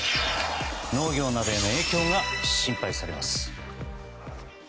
農業などへの影響が心配されます。